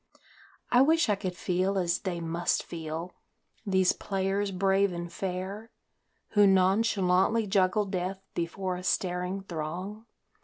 I wish I could feel as they must feel, these players brave and fair, Who nonchalantly juggle death before a staring throng.